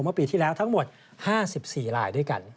เมื่อปีที่แล้วทั้งหมด๕๔ลายด้วยกัน